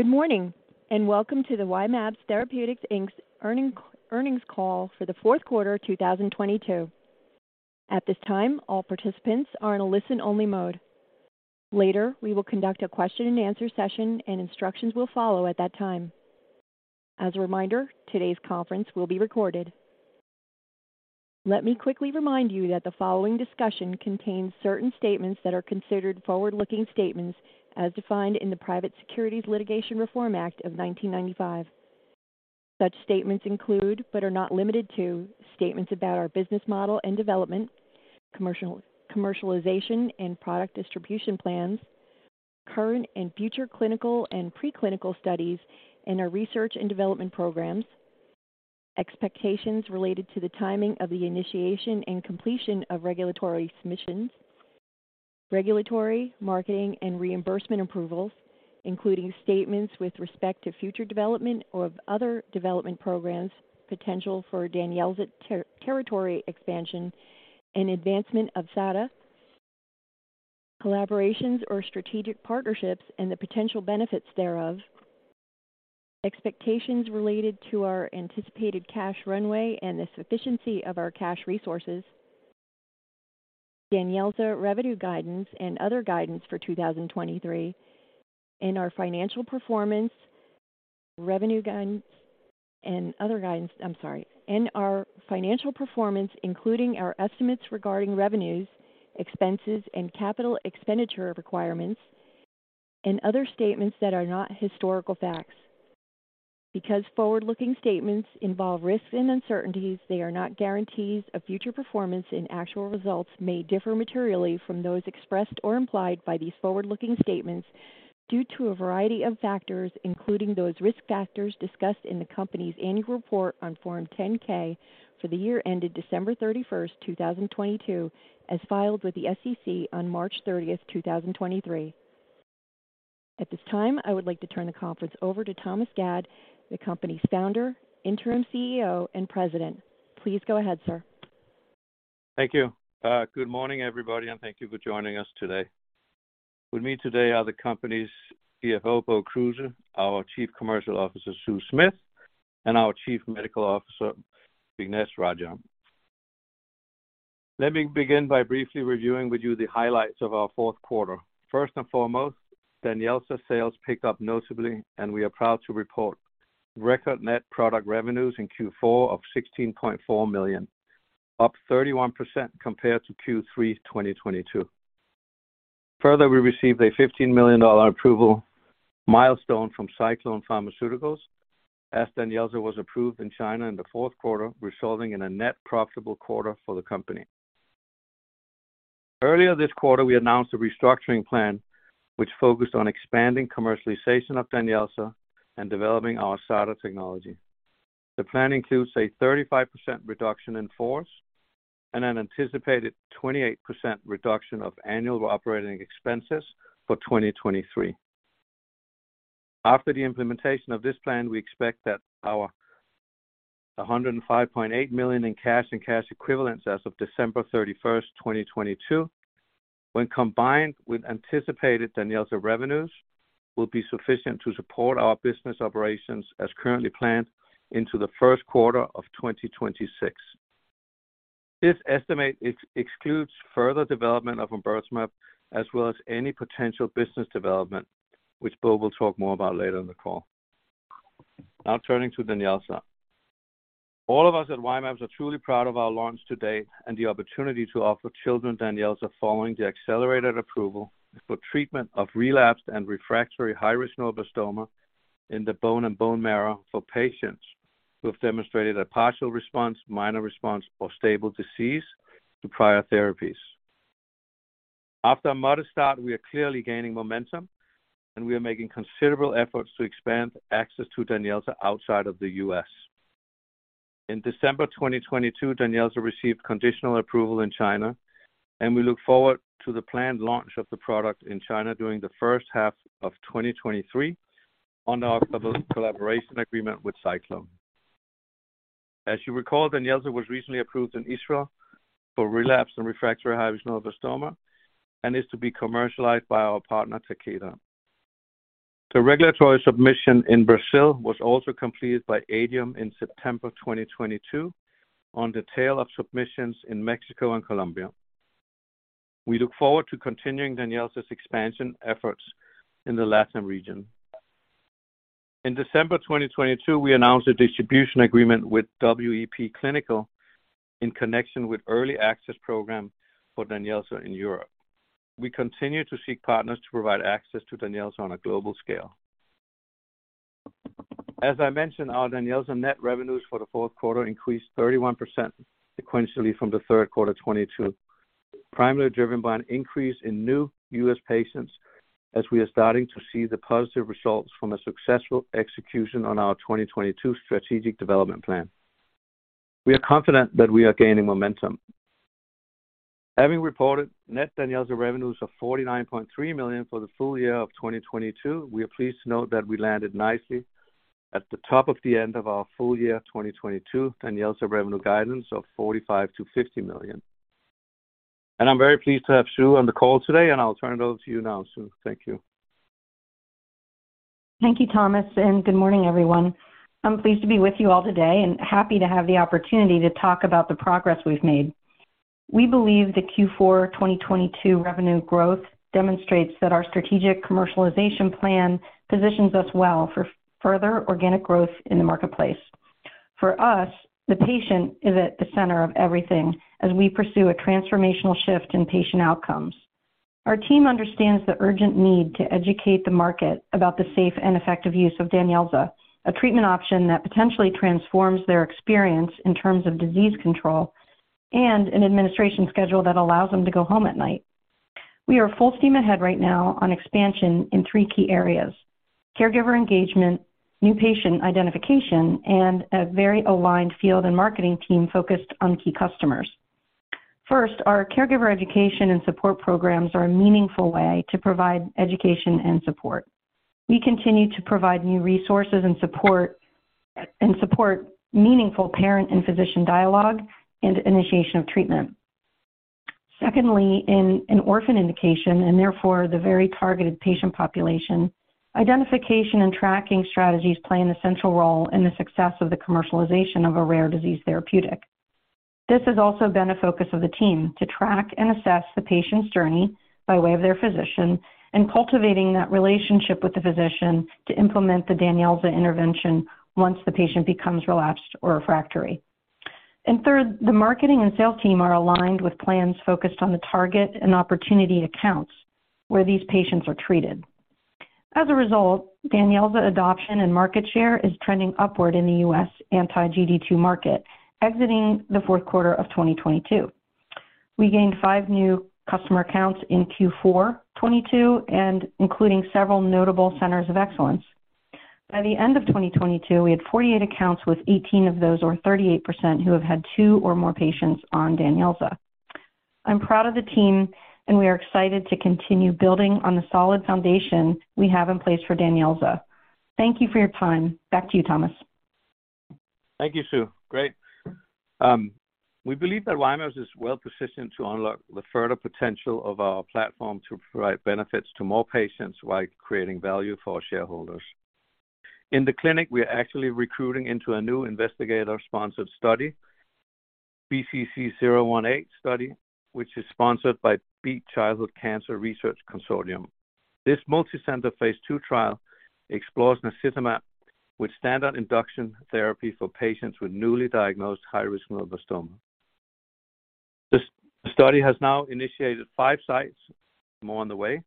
Good morning, welcome to the Y-mAbs Therapeutics, Inc. earnings call for the fourth quarter 2022. At this time, all participants are in a listen-only mode. Later, we will conduct a question-and-answer session, and instructions will follow at that time. As a reminder, today's conference will be recorded. Let me quickly remind you that the following discussion contains certain statements that are considered forward-looking statements as defined in the Private Securities Litigation Reform Act of 1995. Such statements include, but are not limited to, statements about our business model and development, commercialization and product distribution plans, current and future clinical and pre-clinical studies, and our research and development programs. Expectations related to the timing of the initiation and completion of regulatory submissions, regulatory, marketing and reimbursement approvals, including statements with respect to future development or of other development programs, potential for DANYELZA territory expansion and advancement of SADA, collaborations or strategic partnerships, and the potential benefits thereof. Expectations related to our anticipated cash runway and the sufficiency of our cash resources. DANYELZA revenue guidance and other guidance for 2023, and our financial performance, including our estimates regarding revenues, expenses and capital expenditure requirements, and other statements that are not historical facts. Forward-looking statements involve risks and uncertainties, they are not guarantees of future performance, and actual results may differ materially from those expressed or implied by these forward-looking statements due to a variety of factors, including those risk factors discussed in the company's annual report on Form 10-K for the year ended December 31, 2022, as filed with the SEC on March 30, 2023. At this time, I would like to turn the conference over to Thomas Gad, the company's Founder, Interim CEO, and President. Please go ahead, sir. Thank you. Good morning, everybody, and thank you for joining us today. With me today are the company's CFO, Bo Kruse, our Chief Commercial Officer, Sue Smith, and our Chief Medical Officer, Vignesh Rajah. Let me begin by briefly reviewing with you the highlights of our fourth quarter. First and foremost, DANYELZA sales picked up notably, and we are proud to report record net product revenues in Q4 of $16.4 million, up 31% compared to Q3 2022. We received a $15 million approval milestone from SciClone Pharmaceuticals as DANYELZA was approved in China in the fourth quarter, resulting in a net profitable quarter for the company. Earlier this quarter, we announced a restructuring plan which focused on expanding commercialization of DANYELZA and developing our SADA technology. The plan includes a 35% reduction in force and an anticipated 28% reduction of annual operating expenses for 2023. After the implementation of this plan, we expect that our $105.8 million in cash and cash equivalents as of December 31st, 2022, when combined with anticipated DANYELZA revenues, will be sufficient to support our business operations as currently planned into the 1st quarter of 2026. This estimate excludes further development of umbralisumab as well as any potential business development, which Bo will talk more about later in the call. Now turning to DANYELZA. All of us at Y-mAbs are truly proud of our launch to date and the opportunity to offer children DANYELZA following the accelerated approval for treatment of relapsed and refractory high-risk neuroblastoma in the bone and bone marrow for patients who have demonstrated a partial response, minor response or stable disease to prior therapies. After a modest start, we are clearly gaining momentum, and we are making considerable efforts to expand access to DANYELZA outside of the U.S. In December 2022, DANYELZA received conditional approval in China, and we look forward to the planned launch of the product in China during the first half of 2023 under our collaboration agreement with SciClone. As you recall, DANYELZA was recently approved in Israel for relapse and refractory high-risk neuroblastoma and is to be commercialized by our partner, Takeda. The regulatory submission in Brazil was also completed by Adium in September 2022 on the tail of submissions in Mexico and Colombia. We look forward to continuing DANYELZA's expansion efforts in the Latin region. In December 2022, we announced a distribution agreement with WEP Clinical in connection with early access program for DANYELZA in Europe. We continue to seek partners to provide access to DANYELZA on a global scale. As I mentioned, our DANYELZA net revenues for the fourth quarter increased 31% sequentially from the third quarter 2022, primarily driven by an increase in new U.S. patients as we are starting to see the positive results from a successful execution on our 2022 strategic development plan. We are confident that we are gaining momentum. Having reported net DANYELZA revenues of $49.3 million for the full year of 2022, we are pleased to note that we landed nicely at the top of the end of our full year 2022 DANYELZA revenue guidance of $45 million-$50 million. I'm very pleased to have Sue on the call today, and I'll turn it over to you now, Sue. Thank you. Thank you, Thomas, and good morning, everyone. I'm pleased to be with you all today and happy to have the opportunity to talk about the progress we've made. We believe the Q4 2022 revenue growth demonstrates that our strategic commercialization plan positions us well for further organic growth in the marketplace. For us, the patient is at the center of everything as we pursue a transformational shift in patient outcomes. Our team understands the urgent need to educate the market about the safe and effective use of DANYELZA, a treatment option that potentially transforms their experience in terms of disease control and an administration schedule that allows them to go home at night. We are full steam ahead right now on expansion in three key areas: caregiver engagement, new patient identification, and a very aligned field and marketing team focused on key customers. First, our caregiver education and support programs are a meaningful way to provide education and support. We continue to provide new resources and support, and support meaningful parent and physician dialogue and initiation of treatment. Secondly, in an orphan indication, and therefore the very targeted patient population, identification and tracking strategies play an essential role in the success of the commercialization of a rare disease therapeutic. This has also been a focus of the team to track and assess the patient's journey by way of their physician and cultivating that relationship with the physician to implement the DANYELZA intervention once the patient becomes relapsed or refractory. Third, the marketing and sales team are aligned with plans focused on the target and opportunity accounts where these patients are treated. As a result, DANYELZA adoption and market share is trending upward in the U.S. anti-GD2 market, exiting the fourth quarter of 2022. We gained five new customer accounts in Q4 2022 and including several notable centers of excellence. By the end of 2022, we had 48 accounts, with 18 of those, or 38%, who have had two or more patients on DANYELZA. I'm proud of the team, and we are excited to continue building on the solid foundation we have in place for DANYELZA. Thank you for your time. Back to you, Thomas. Thank you, Sue. Great. We believe that Y-mAbs is well-positioned to unlock the further potential of our platform to provide benefits to more patients while creating value for our shareholders. In the clinic, we are actually recruiting into a new investigator-sponsored study, BCC018 study, which is sponsored by Beat Childhood Cancer Research Consortium. This multi-center phase II trial explores naxitamab with standard induction therapy for patients with newly diagnosed high-risk neuroblastoma. The study has now initiated five sites, more on the way,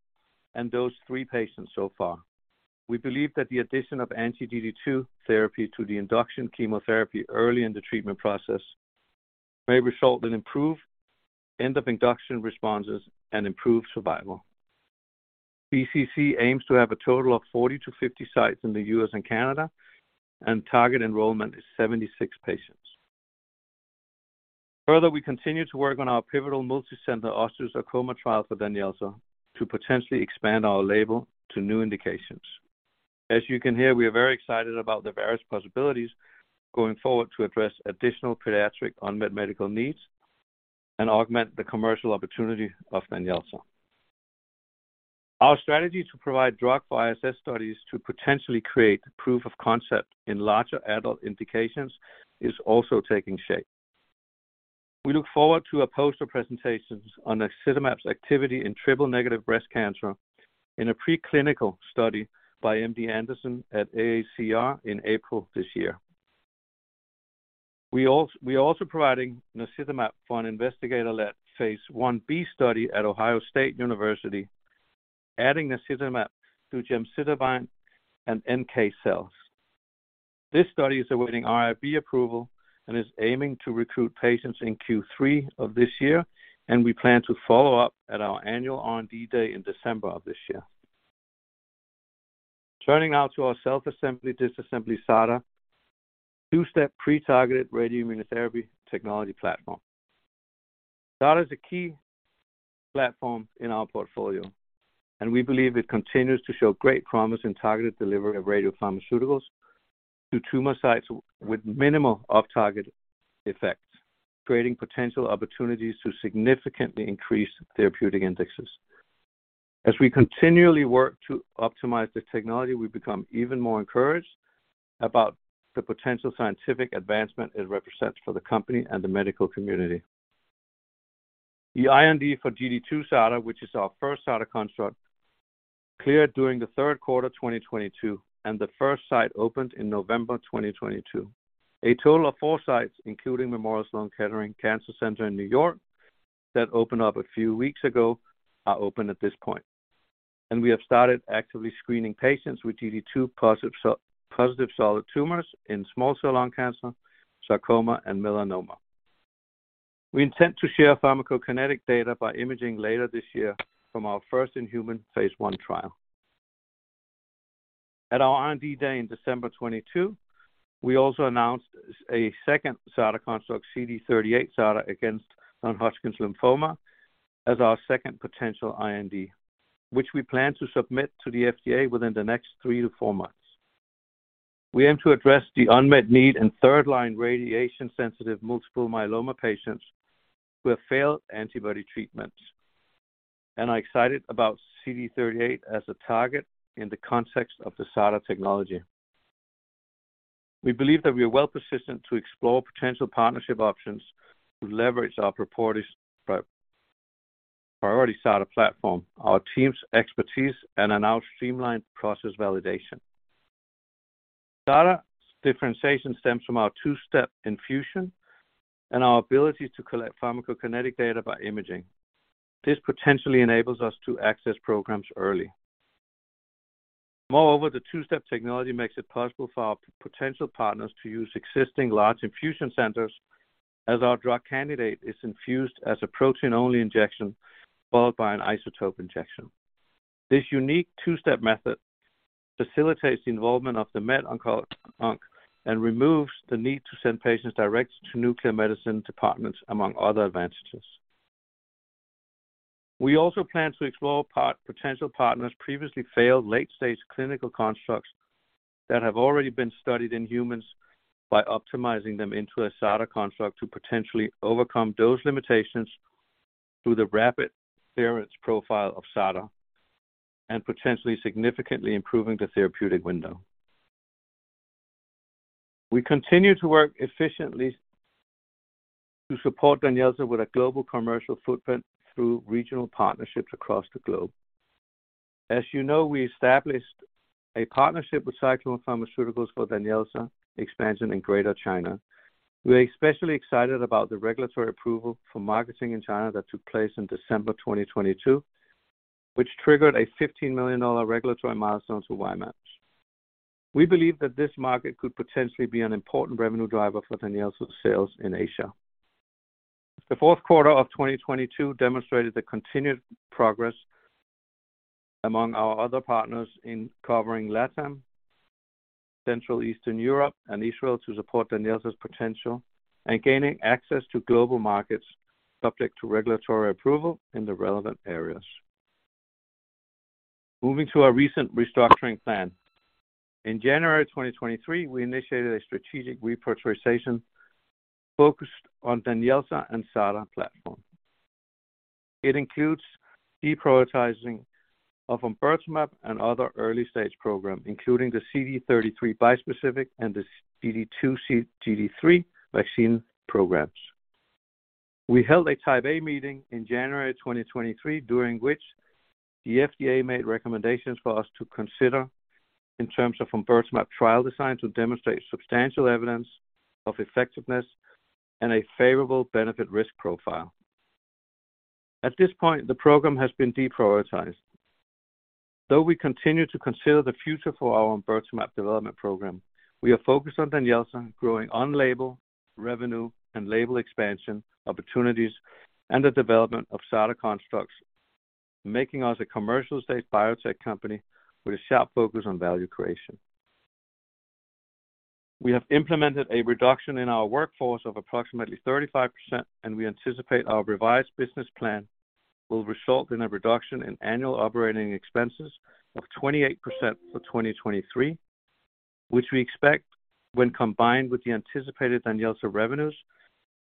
and those three patients so far. We believe that the addition of anti-GD2 therapy to the induction chemotherapy early in the treatment process may result in improved end of induction responses and improved survival. BCC aims to have a total of 40 to 50 sites in the U.S. and Canada. Target enrollment is 76 patients. We continue to work on our pivotal multi-center osteosarcoma trial for DANYELZA to potentially expand our label to new indications. As you can hear, we are very excited about the various possibilities going forward to address additional pediatric unmet medical needs and augment the commercial opportunity of DANYELZA. Our strategy to provide drug for ISS studies to potentially create proof of concept in larger adult indications is also taking shape. We look forward to a poster presentations on naxitamab's activity in triple-negative breast cancer in a preclinical study by MD Anderson at AACR in April this year. We are also providing naxitamab for an investigator-led phase Ib study at Ohio State University, adding naxitamab to gemcitabine and NK cells. This study is awaiting IRB approval and is aiming to recruit patients in Q3 of this year. We plan to follow up at our annual R&D day in December of this year. Turning now to our self-assembly/disassembly SADA, two-step pre-targeted radioimmunotherapy technology platform. SADA is a key platform in our portfolio. We believe it continues to show great promise in targeted delivery of radiopharmaceuticals to tumor sites with minimal off-target effects, creating potential opportunities to significantly increase therapeutic indexes. As we continually work to optimize the technology, we become even more encouraged about the potential scientific advancement it represents for the company and the medical community. The IND for GD2-SADA, which is our first SADA construct, cleared during the third quarter 2022. The first site opened in November 2022. A total of 4 sites, including Memorial Sloan Kettering Cancer Center in New York, that opened up a few weeks ago, are open at this point. We have started actively screening patients with GD2-positive solid tumors in small cell lung cancer, sarcoma, and melanoma. We intend to share pharmacokinetic data by imaging later this year from our first in-human phase I trial. At our R&D day in December 2022, we also announced a second SADA construct, CD38 SADA, against non-Hodgkin Lymphoma as our second potential IND, which we plan to submit to the FDA within the next 3 to 4 months. We aim to address the unmet need in third line radiation sensitive multiple myeloma patients who have failed antibody treatments, and are excited about CD38 as a target in the context of the SADA technology. We believe that we are well-positioned to explore potential partnership options to leverage our purported priority SADA platform, our team's expertise, and announce streamlined process validation. Data differentiation stems from our two-step infusion and our ability to collect pharmacokinetic data by imaging. This potentially enables us to access programs early. Moreover, the two-step technology makes it possible for our potential partners to use existing large infusion centers as our drug candidate is infused as a protein-only injection, followed by an isotope injection. This unique two-step method facilitates the involvement of the med onc, and removes the need to send patients direct to nuclear medicine departments, among other advantages. We also plan to explore potential partners previously failed late-stage clinical constructs that have already been studied in humans by optimizing them into a SADA construct to potentially overcome those limitations through the rapid clearance profile of SADA and potentially significantly improving the therapeutic window. We continue to work efficiently to support DANYELZA with a global commercial footprint through regional partnerships across the globe. As you know, we established a partnership with SciClone Pharmaceuticals for DANYELZA expansion in Greater China. We are especially excited about the regulatory approval for marketing in China that took place in December 2022, which triggered a $15 million regulatory milestone to Y-mAbs. We believe that this market could potentially be an important revenue driver for DANYELZA sales in Asia. The 4th quarter of 2022 demonstrated the continued progress among our other partners in covering LATAM, Central Eastern Europe and Israel to support DANYELZA's potential and gaining access to global markets subject to regulatory approval in the relevant areas. Moving to our recent restructuring plan. In January 2023, we initiated a strategic prioritization focused on DANYELZA and SADA platform. It includes deprioritizing of omburtamab and other early-stage program, including the CD33 bispecific and the GD2-GD3 Vaccine programs. We held a Type A meeting in January 2023, during which the FDA made recommendations for us to consider in terms of omburtamab trial design to demonstrate substantial evidence of effectiveness and a favorable benefit-risk profile. At this point, the program has been deprioritized. Though we continue to consider the future for our omburtamab development program, we are focused on DANYELZA growing on-label revenue and label expansion opportunities and the development of SADA constructs, making us a commercial stage biotech company with a sharp focus on value creation. We have implemented a reduction in our workforce of approximately 35%. We anticipate our revised business plan will result in a reduction in annual operating expenses of 28% for 2023, which we expect when combined with the anticipated DANYELZA revenues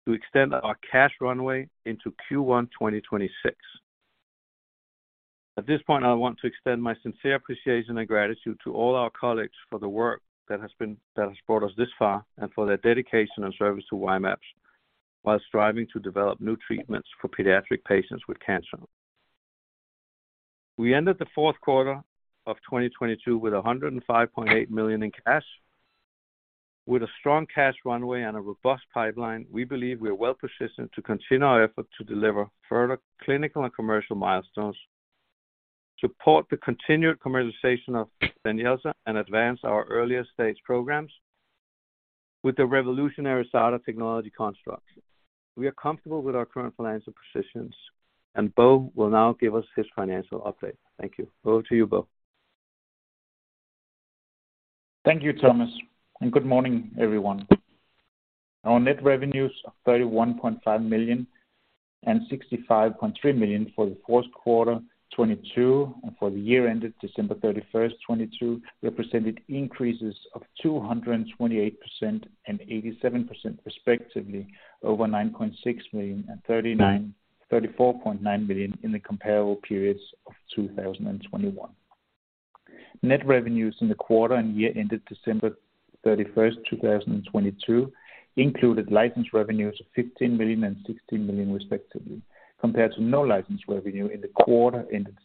to extend our cash runway into Q1 2026. At this point, I want to extend my sincere appreciation and gratitude to all our colleagues for the work that has brought us this far and for their dedication and service to Y-mAbs while striving to develop new treatments for pediatric patients with cancer. We ended the fourth quarter of 2022 with $105.8 million in cash. With a strong cash runway and a robust pipeline, we believe we are well-positioned to continue our effort to deliver further clinical and commercial milestones, support the continued commercialization of DANYELZA, and advance our earlier stage programs with the revolutionary SADA technology constructs. We are comfortable with our current financial positions. Bo will now give us his financial update. Thank you. Over to you, Bo. Thank you, Thomas, and good morning, everyone. Our net revenues of $31.5 million and $65.3 million for Q4 2022 and for the year ended December 31, 2022, represented increases of 228% and 87% respectively over $9.6 million and $34.9 million in the comparable periods of 2021. Net revenues in the quarter and year ended December 31, 2022 included license revenues of $15 million and $16 million respectively, compared to no license revenue in the quarter ended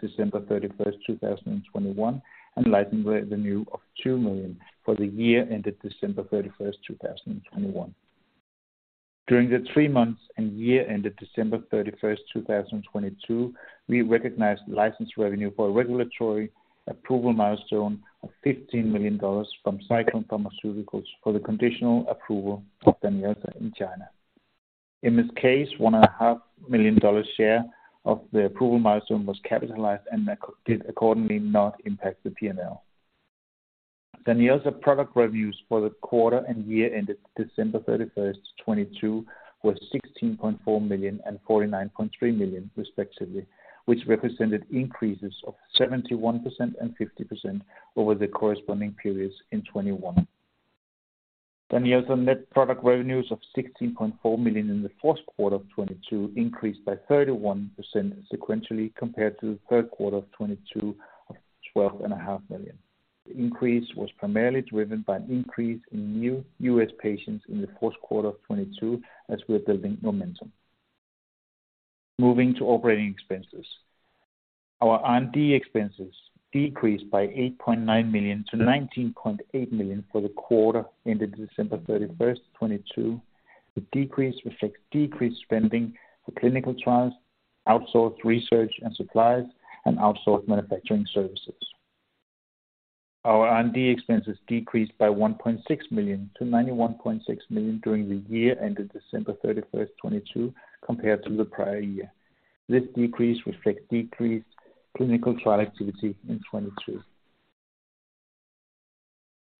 December 31, 2021, and license revenue of $2 million for the year ended December 31, 2021. During the three months and year ended December 31, 2022, we recognized license revenue for a regulatory approval milestone of $15 million from SciClone Pharmaceuticals for the conditional approval of DANYELZA in China. In this case, one and a half million dollar share of the approval milestone was capitalized and did accordingly not impact the P&L. DANYELZA product revenues for the quarter and year ended December 31, 2022, were $16.4 million and $49.3 million respectively, which represented increases of 71% and 50% over the corresponding periods in 2021. DANYELZA net product revenues of $16.4 million in the first quarter of 2022 increased by 31% sequentially compared to the third quarter of 2022 of $12.5 million. The increase was primarily driven by an increase in new US patients in the first quarter of 2022, as we are building momentum. Moving to operating expenses. Our R&D expenses decreased by $8.9 million to $19.8 million for the quarter ended December 31st, 2022. The decrease reflects decreased spending for clinical trials, outsourced research and supplies, and outsourced manufacturing services. Our R&D expenses decreased by $1.6 million to $91.6 million during the year ended December 31st, 2022 compared to the prior year. This decrease reflects decreased clinical trial activity in 2022.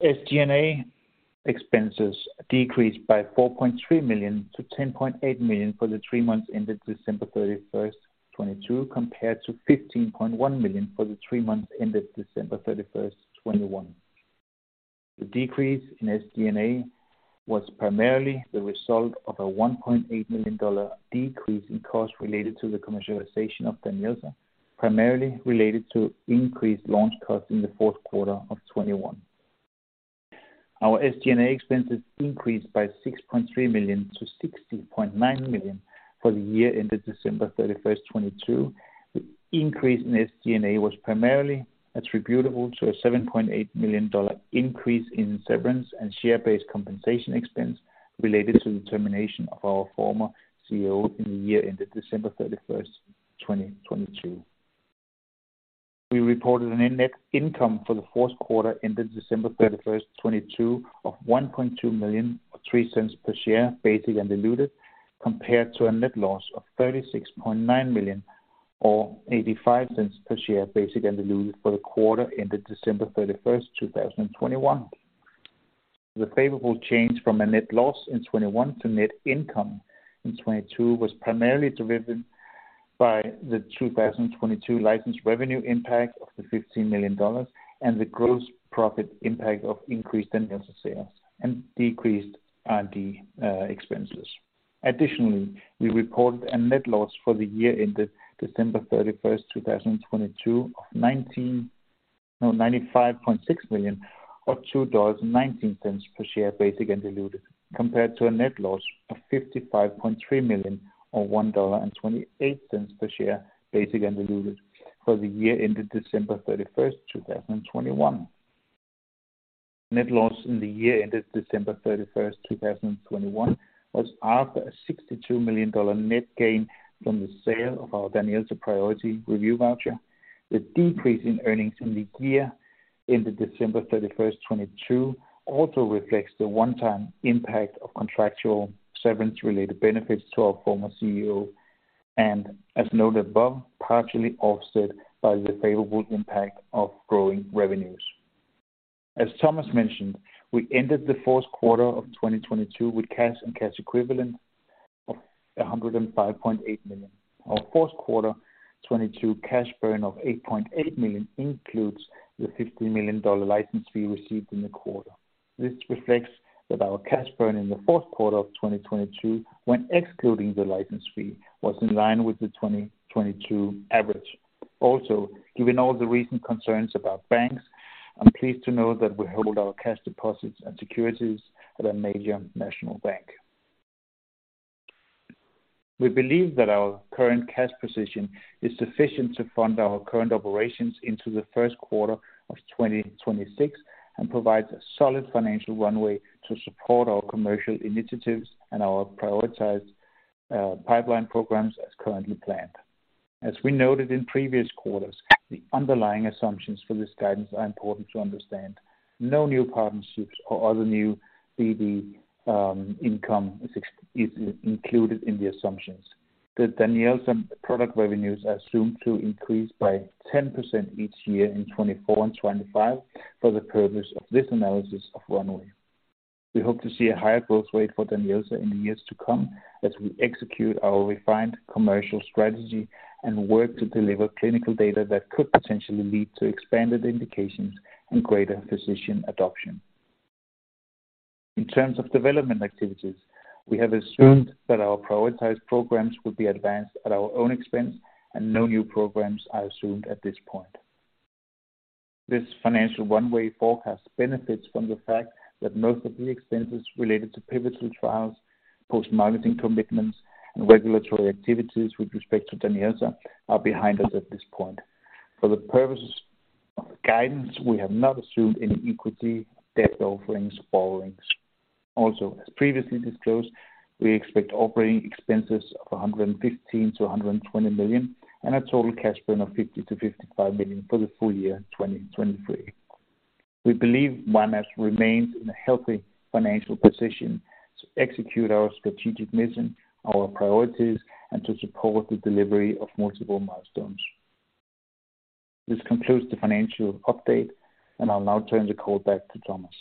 SG&A expenses decreased by $4.3 million to $10.8 million for the three months ended December 31st, 2022, compared to $15.1 million for the three months ended December 31st, 2021. The decrease in SG&A was primarily the result of a $1.8 million decrease in costs related to the commercialization of DANYELZA, primarily related to increased launch costs in the fourth quarter of 2021. Our SG&A expenses increased by $6.3 million to $60.9 million for the year ended December 31, 2022. The increase in SG&A was primarily attributable to a $7.8 million increase in severance and share-based compensation expense related to the termination of our former CEO in the year ended December 31, 2022. We reported a net income for the first quarter ended December 31, 2022 of $1.2 million, or $0.03 per share, basic and diluted, compared to a net loss of $36.9 million or $0.85 per share, basic and diluted, for the quarter ended December 31, 2021. The favorable change from a net loss in 2021 to net income in 2022 was primarily driven by the 2022 license revenue impact of $15 million and the gross profit impact of increased DANYELZA sales and decreased R&D expenses. We reported a net loss for the year ended December 31, 2022, of $95.6 million or $2.19 per share, basic and diluted, compared to a net loss of $55.3 million or $1.28 per share, basic and diluted, for the year ended December 31, 2021. Net loss in the year ended December 31, 2021, was after a $62 million net gain from the sale of our DANYELZA priority review voucher. The decrease in earnings in the year ended December 31st, 2022 also reflects the one-time impact of contractual severance-related benefits to our former CEO. As noted above, partially offset by the favorable impact of growing revenues. As Thomas mentioned, we ended the fourth quarter of 2022 with cash and cash equivalent of $105.8 million. Our fourth quarter 2022 cash burn of $8.8 million includes the $50 million license fee received in the quarter. This reflects that our cash burn in the fourth quarter of 2022, when excluding the license fee, was in line with the 2022 average. Given all the recent concerns about banks, I'm pleased to know that we hold our cash deposits and securities at a major national bank. We believe that our current cash position is sufficient to fund our current operations into the first quarter of 2026, and provides a solid financial runway to support our commercial initiatives and our prioritized pipeline programs as currently planned. As we noted in previous quarters, the underlying assumptions for this guidance are important to understand. No new partnerships or other new BD income is included in the assumptions. The DANYELZA product revenues are assumed to increase by 10% each year in 2024 and 2025 for the purpose of this analysis of runway. We hope to see a higher growth rate for DANYELZA in the years to come as we execute our refined commercial strategy and work to deliver clinical data that could potentially lead to expanded indications and greater physician adoption. In terms of development activities, we have assumed that our prioritized programs will be advanced at our own expense and no new programs are assumed at this point. This financial runway forecast benefits from the fact that most of the expenses related to pivotal trials, post-marketing commitments, and regulatory activities with respect to DANYELZA are behind us at this point. For the purposes of guidance, we have not assumed any equity, debt offerings or borrowings. As previously disclosed, we expect operating expenses of $115 million-$120 million, and a total cash burn of $50 million-$55 million for the full year 2023. We believe Y-mAbs remains in a healthy financial position to execute our strategic mission, our priorities, and to support the delivery of multiple milestones. This concludes the financial update. I'll now turn the call back to Thomas.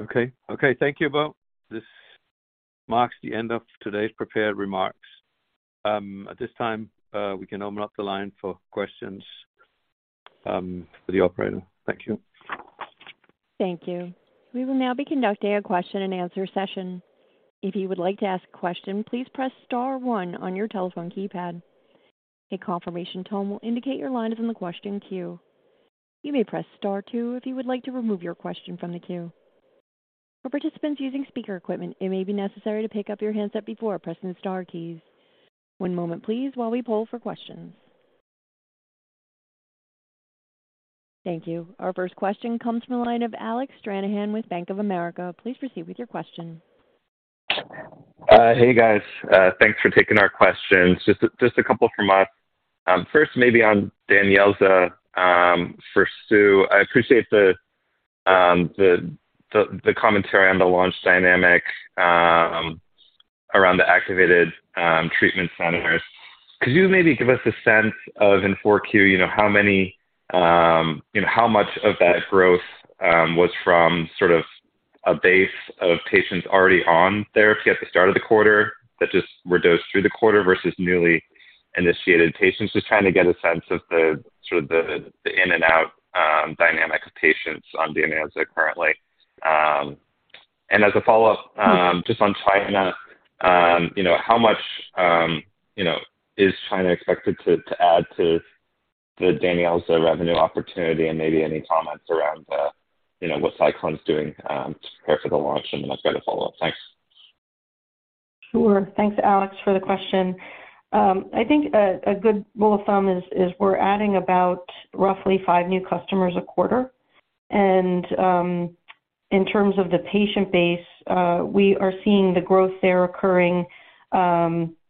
Okay. Okay, thank you, Bo. This marks the end of today's prepared remarks. At this time, we can open up the line for questions for the operator. Thank you. Thank you. We will now be conducting a question and answer session. If you would like to ask a question, please press star one on your telephone keypad. A confirmation tone will indicate your line is in the question queue. You may press star two if you would like to remove your question from the queue. For participants using speaker equipment, it may be necessary to pick up your handset before pressing the star keys. One moment please while we poll for questions. Thank you. Our first question comes from the line of Alec Stranahan with Bank of America. Please proceed with your question. Hey, guys. Thanks for taking our questions. Just a couple from us. First, maybe on DANYELZA, for Sue. I appreciate the commentary on the launch dynamic, around the activated treatment centers. Could you maybe give us a sense of in 4Q, you know, how many, how much of that growth was from sort of a base of patients already on therapy at the start of the quarter that just were dosed through the quarter versus newly initiated patients? Just trying to get a sense of the, sort of the in and out dynamic of patients on DANYELZA currently. As a follow-up, just on China, you know, how much, you know, is China expected to add to the DANYELZA revenue opportunity and maybe any comments around, you know, what SciClone is doing, to prepare for the launch? Then I've got a follow-up. Thanks. Sure. Thanks, Alex, for the question. I think a good rule of thumb is we're adding about roughly 5 new customers a quarter. In terms of the patient base, we are seeing the growth there occurring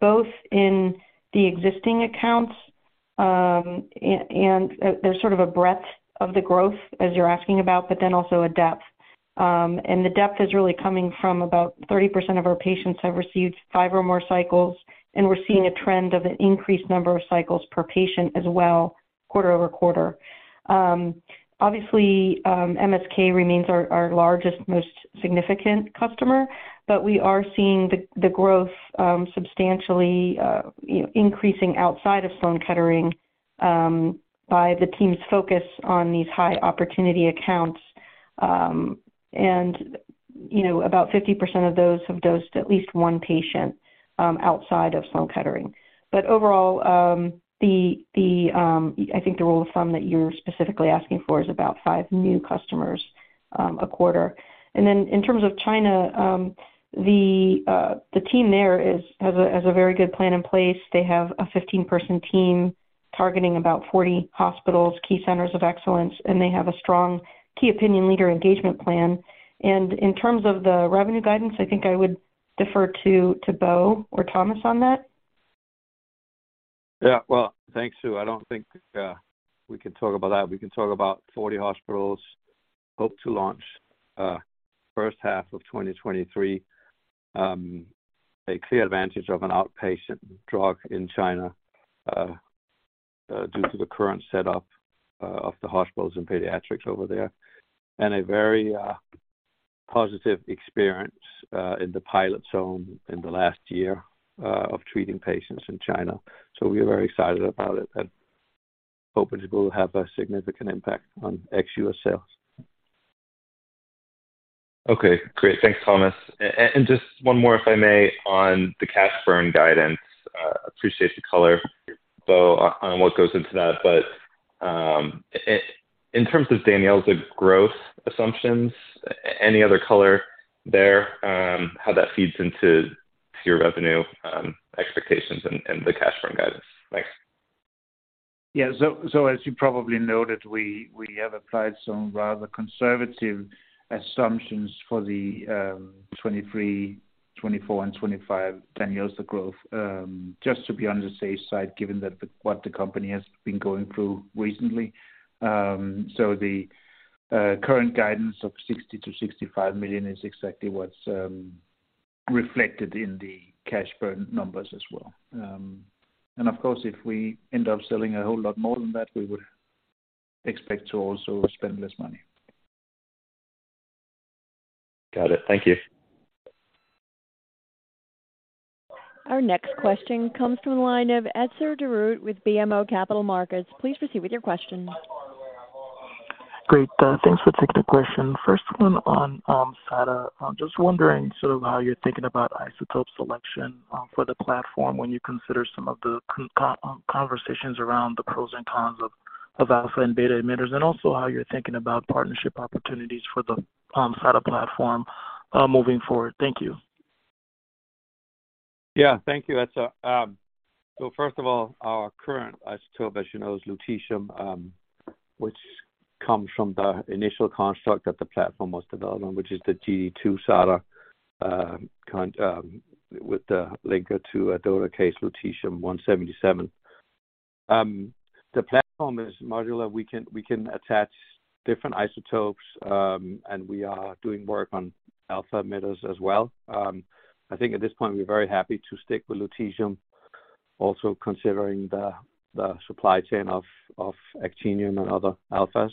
both in the existing accounts, and there's sort of a breadth of the growth as you're asking about, but then also a depth. The depth is really coming from about 30% of our patients have received 5 or more cycles, and we're seeing a trend of an increased number of cycles per patient as well, quarter-over-quarter. Obviously, MSK remains our largest, most significant customer, but we are seeing the growth substantially, you know, increasing outside of Sloan Kettering by the team's focus on these high opportunity accounts. You know, about 50% of those have dosed at least 1 patient outside of Sloan Kettering. Overall, I think the rule of thumb that you're specifically asking for is about 5 new customers a quarter. In terms of China, the team there has a very good plan in place. They have a 15-person team targeting about 40 hospitals, key centers of excellence, and they have a strong key opinion leader engagement plan. In terms of the revenue guidance, I think I would defer to Bo or Thomas on that. Yeah. Well, thanks, Sue. I don't think we can talk about that. We can talk about 40 hospitals hope to launch first half of 2023. A clear advantage of an outpatient drug in China due to the current set up of the hospitals and pediatrics over there. A very positive experience in the pilot zone in the last year of treating patients in China. We are very excited about it and hoping it will have a significant impact on ex-US sales. Okay, great. Thanks, Thomas. Just one more, if I may, on the cash burn guidance. Appreciate the color, Bo, on what goes into that. In terms of DANYELZA growth assumptions, any other color there, how that feeds into your revenue expectations and the cash burn guidance? Thanks. As you probably noted, we have applied some rather conservative assumptions for the 2023, 2024 and 2025 DANYELZA growth, just to be on the safe side, given that what the company has been going through recently. The current guidance of $60 million to $60 million is exactly what's reflected in the cash burn numbers as well. Of course, if we end up selling a whole lot more than that, we would expect to also spend less money. Got it. Thank you. Our next question comes from the line of Etzer Darout with BMO Capital Markets. Please proceed with your question. Great. thanks for taking the question. First one on SADA. I'm just wondering sort of how you're thinking about isotope selection for the platform when you consider some of the conversations around the pros and cons of alpha and beta emitters, and also how you're thinking about partnership opportunities for the SADA platform moving forward. Thank you. Yeah. Thank you. That's, first of all, our current isotope, as you know, is lutetium, which comes from the initial construct that the platform was developed on, which is the GD2 SADA, with the linker to a dotatate lutetium 177. The platform is modular. We can attach different isotopes, we are doing work on alpha emitters as well. I think at this point, we're very happy to stick with lutetium also considering the supply chain of actinium and other alphas.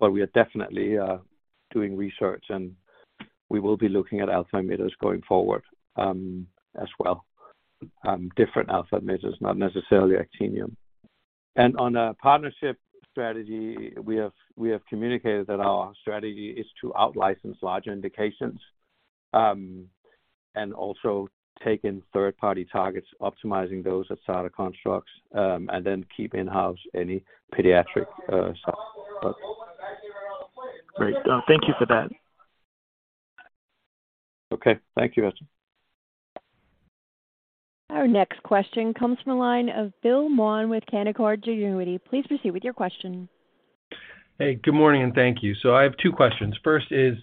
We are definitely doing research and we will be looking at alpha emitters going forward as well. Different alpha emitters, not necessarily actinium. On a partnership strategy, we have communicated that our strategy is to out-license large indications, and also take in third-party targets, optimizing those as SADA constructs, and then keep in-house any pediatric stuff. Great. Thank you for that. Okay. Thank you, Etzer. Our next question comes from the line of Bill Maughan with Canaccord Genuity. Please proceed with your question. Good morning, and thank you. I have two questions. First is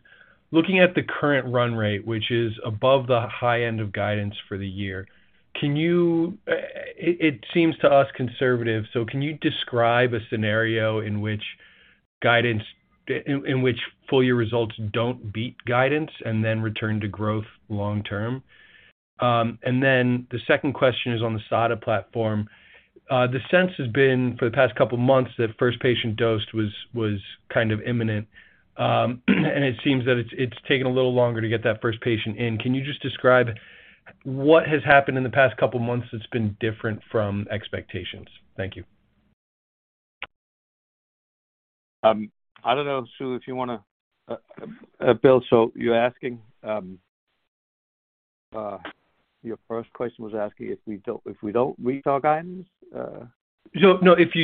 looking at the current run rate, which is above the high end of guidance for the year. Can you describe a scenario in which guidance, in which full year results don't beat guidance and then return to growth long term? The second question is on the SADA platform. The sense has been, for the past couple of months, that first patient dosed was kind of imminent. It seems that it's taken a little longer to get that first patient in. Can you just describe what has happened in the past couple of months that's been different from expectations? Thank you. I don't know, Sue, Bill, you're asking, your first question was asking if we don't reach our guidance. No, no. If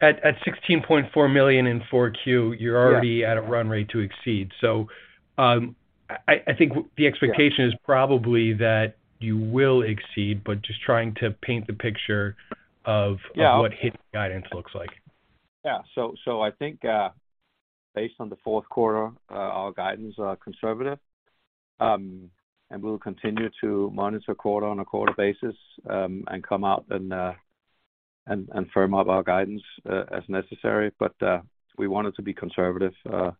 at $16.4 million in 4Q. Yeah. you're already at a run rate to exceed. I think the expectation... Yeah. -is probably that you will exceed, but just trying to paint the picture of- Yeah. what hitting guidance looks like. Yeah. I think, based on the fourth quarter, our guidance are conservative. We'll continue to monitor quarter on a quarter basis, and come out and firm up our guidance as necessary. We want it to be conservative, and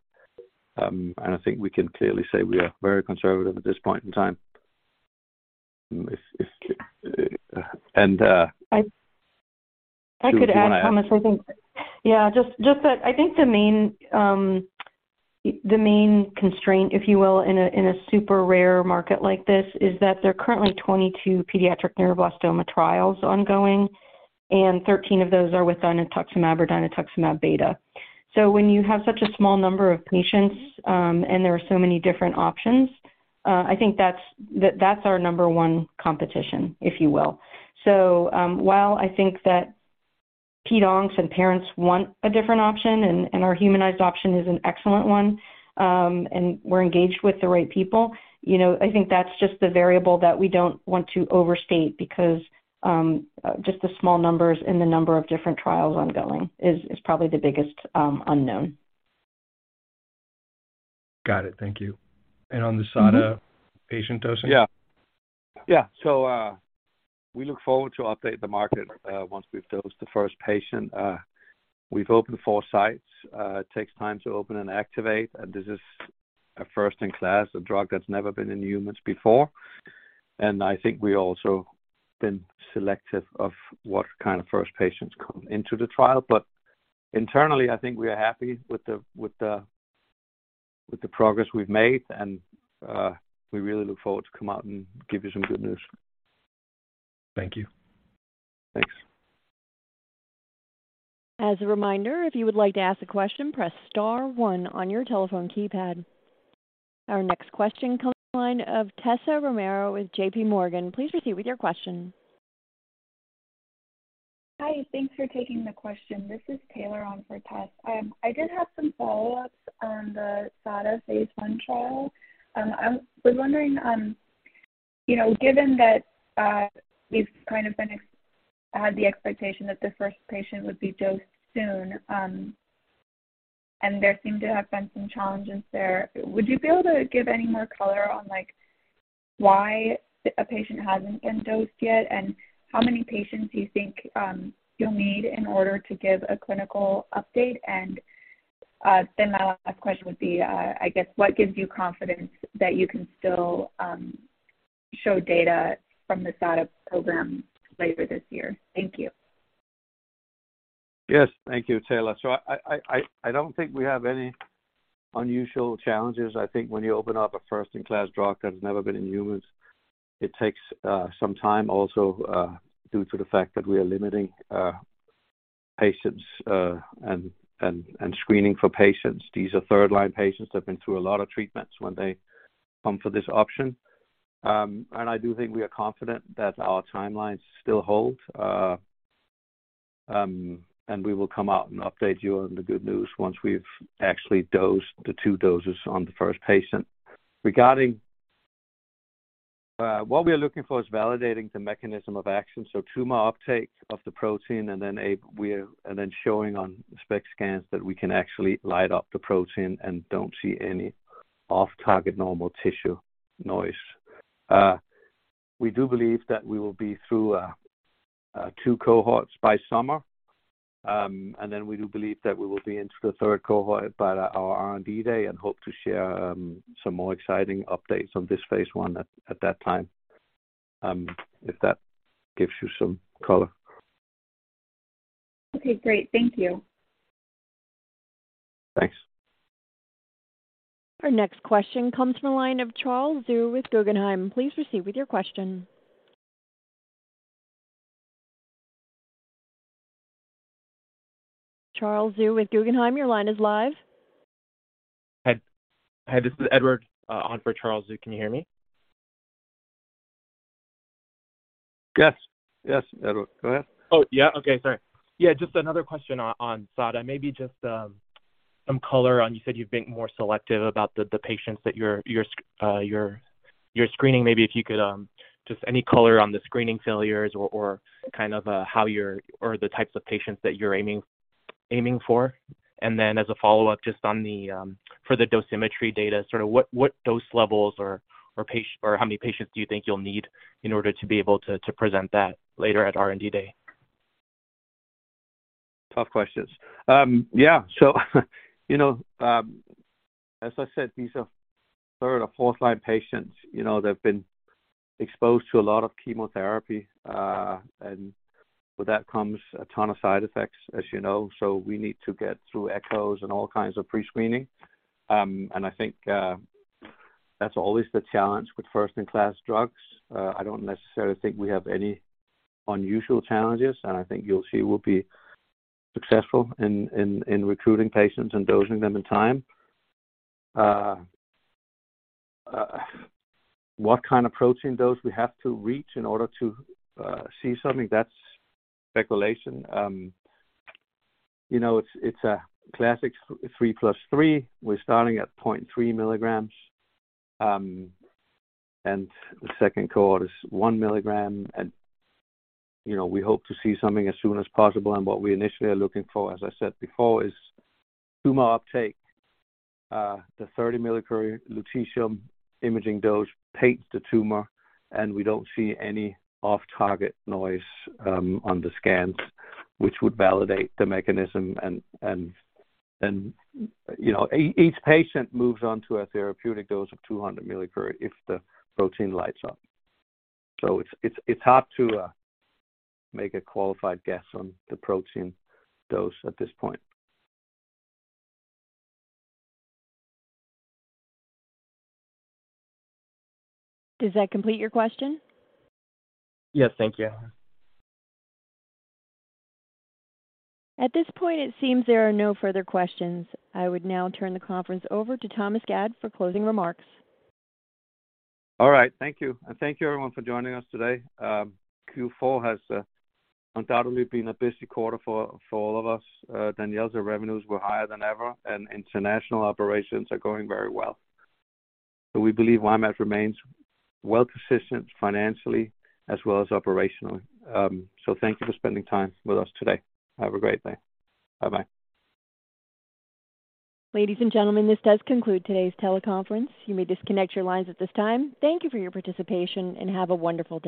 I think we can clearly say we are very conservative at this point in time. If. I could add, Thomas. Sue, do you wanna add? I think, just that I think the main constraint, if you will, in a super rare market like this is that there are currently 22 pediatric neuroblastoma trials ongoing, and 13 of those are with dinutuximab or dinutuximab beta. When you have such a small number of patients, and there are so many different options, I think that's our number one competition, if you will. While I think that pONCs and parents want a different option and our humanized option is an excellent one, and we're engaged with the right people, you know, I think that's just the variable that we don't want to overstate because just the small numbers and the number of different trials ongoing is probably the biggest unknown. Got it. Thank you. On the SADA patient dosing? Yeah. Yeah. We look forward to update the market once we've dosed the first patient. We've opened four sites. It takes time to open and activate. This is a first in class, a drug that's never been in humans before. I think we also been selective of what kind of first patients come into the trial. Internally, I think we are happy with the progress we've made, and we really look forward to come out and give you some good news. Thank you. Thanks. As a reminder, if you would like to ask a question, press star one on your telephone keypad. Our next question comes from the line of Tessa Romero with JP Morgan. Please proceed with your question. Hi. Thanks for taking the question. This is Taylor on for Tess. I did have some follow-ups on the SADA phase I trial. I was wondering, you know, given that we've kind of been had the expectation that the first patient would be dosed soon, and there seemed to have been some challenges there. Would you be able to give any more color on, like, why a patient hasn't been dosed yet? How many patients do you think you'll need in order to give a clinical update? Then my last question would be, I guess what gives you confidence that you can still show data from the SADA program later this year? Thank you. Yes. Thank you, Taylor. I don't think we have any unusual challenges. I think when you open up a first in class drug that's never been in humans, it takes some time also due to the fact that we are limiting patients and screening for patients. These are third line patients that have been through a lot of treatments when they come for this option. I do think we are confident that our timelines still hold. We will come out and update you on the good news once we've actually dosed the two doses on the first patient. Regarding... What we are looking for is validating the mechanism of action, so tumor uptake of the protein and then showing on SPECT scans that we can actually light up the protein and don't see any off target normal tissue noise. We do believe that we will be through 2 cohorts by summer. Then we do believe that we will be into the 3rd cohort by our R&D day and hope to share some more exciting updates on this phase I at that time. If that gives you some color. Okay, great. Thank you. Thanks. Our next question comes from the line of Charles Zhu with Guggenheim. Please proceed with your question. Charles Zhu with Guggenheim, your line is live. Hi. Hi, this is Edouard, on for Charles Zhu. Can you hear me? Yes. Yes, Edward, go ahead. Okay, sorry. Just another question on SADA. Maybe just some color on you said you've been more selective about the patients that you're screening. Maybe if you could just any color on the screening failures or kind of the types of patients that you're aiming for. As a follow-up, just on the for the dosimetry data, sort of what dose levels or how many patients do you think you'll need in order to be able to present that later at R&D Day? Tough questions. You know, as I said, these are third or fourth line patients. You know, they've been exposed to a lot of chemotherapy, and with that comes a ton of side effects, as you know. We need to get through echoes and all kinds of pre-screening. I think that's always the challenge with first in class drugs. I don't necessarily think we have any unusual challenges. I think you'll see we'll be successful in recruiting patients and dosing them in time. What kind of protein dose we have to reach in order to see something that's speculation. You know, it's a classic 3+3. We're starting at 0.3 milligrams. The second cohort is 1 milligram. You know, we hope to see something as soon as possible. What we initially are looking for, as I said before, is tumor uptake. The 30 millicurie lutetium imaging dose paints the tumor, and we don't see any off-target noise on the scans, which would validate the mechanism. You know, each patient moves on to a therapeutic dose of 200 millicurie if the protein lights up. It's hard to make a qualified guess on the protein dose at this point. Does that complete your question? Yes. Thank you. At this point, it seems there are no further questions. I would now turn the conference over to Thomas Gad for closing remarks. All right. Thank you. Thank you everyone for joining us today. Q4 has undoubtedly been a busy quarter for all of us. DANYELZA revenues were higher than ever, and international operations are going very well. We believe Y-mAbs remains well-positioned financially as well as operationally. Thank you for spending time with us today. Have a great day. Bye-bye. Ladies and gentlemen, this does conclude today's teleconference. You may disconnect your lines at this time. Thank you for your participation, and have a wonderful day.